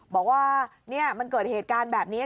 บอกว่ามันเกิดเหตุการณ์แบบนี้